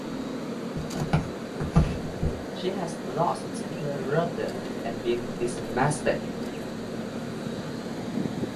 She had lost her rudder and been dismasted.